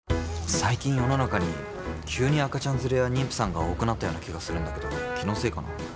最近世の中に急に赤ちゃん連れや妊婦さんが多くなったような気がするんだけど気のせいかな？